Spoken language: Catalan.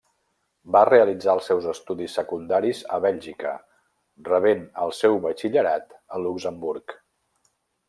Va realitzar els seus estudis secundaris a Bèlgica, rebent el seu batxillerat a Luxemburg.